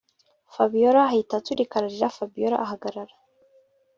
Fabiora ahita aturika ararira Fabiora ahagarara